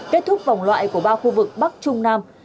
kết thúc vòng loại của ba khu vực bắc trung nam